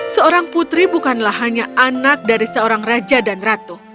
seorang putri bukanlah hanya anak dari seorang raja dan ratu